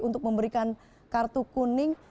untuk memberikan kartu kuning